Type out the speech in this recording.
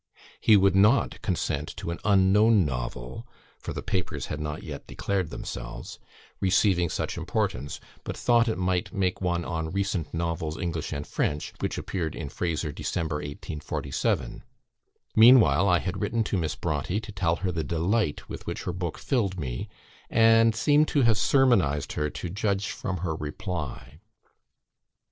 He would not consent to an unknown novel for the papers had not yet declared themselves receiving such importance, but thought it might make one on 'Recent Novels: English and French' which appeared in Frazer, December, 1847. Meanwhile I had written to Miss Brontë to tell her the delight with which her book filled me; and seem to have sermonised her, to judge from her reply."